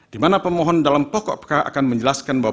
di mana permohon dalam pokok perkara akan menjelaskan bahwa